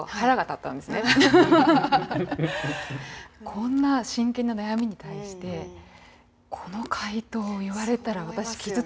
こんな真剣な悩みに対してこの回答を言われたら私傷ついちゃうかもと思って。